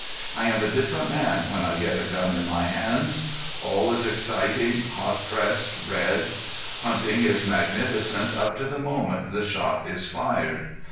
I am a different man when I get a gun in my hands. All is exciting, hot pressed, red. Hunting is magnificent up to the moment the shot is fired.